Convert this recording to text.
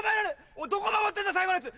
おいどこ守ってんだ最後のやつ！